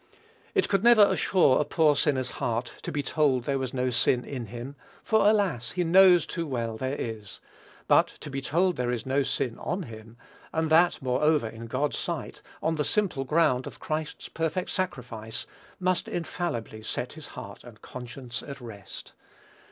It could never assure a poor sinner's heart to be told that there was no sin in him; for alas! he knows too well there is; but to be told there is no sin on him, and that, moreover, in God's sight, on the simple ground of Christ's perfect sacrifice, must infallibly set his heart and conscience at rest.